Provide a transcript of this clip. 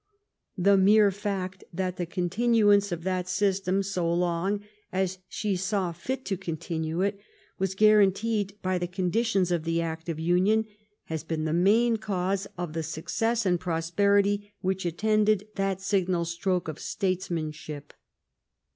The mere fact that the continuance of that system, so long as she saw fit to continue it, was guaranteed by the conditions of the act of union, has been the main cause of the suc cess and prosperity which attended that signal stroke of statesmanship.